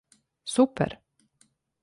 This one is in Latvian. Super!